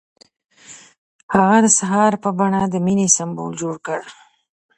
هغه د سهار په بڼه د مینې سمبول جوړ کړ.